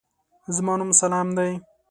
زما نوم سلام دی.